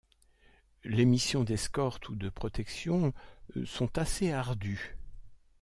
Les mission d'escorte ou de protection sont assez ardus.